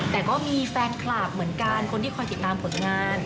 แต่ก็มีแฟนคลับเหมือนกันคนที่คอยติดตามผลงาน